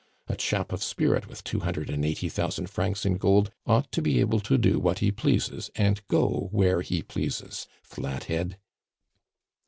A chap of spirit, with two hundred and eighty thousand francs in gold, ought to be able to do what he pleases and go where he pleases, flathead!"